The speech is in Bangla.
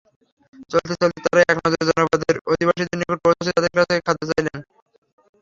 চলতে চলতে তারা এক জনপদের আধিবাসীদের নিকট পৌঁছে তাদের কাছে খাদ্য চাইলেন।